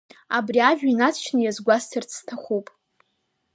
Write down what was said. Абри ажәа инаҵшьны иазгәасҭарц сҭахуп.